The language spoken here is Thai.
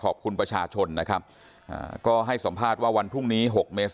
ขอบคุณประชาชนนะครับอ่าก็ให้สัมภาษณ์ว่าวันพรุ่งนี้หกเมษ